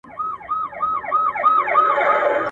خوښه ستا ده چي په کوم شکل مي غواړې